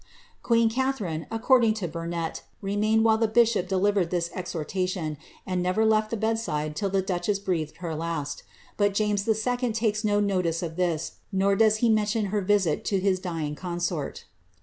Queen Catharine, according to Burnet, remained while the bishop delivered this exnortation, and never led the bedside till the duchess breathed her last; but James II. takes no notice of this, nor does he mention her visit to his dying consort.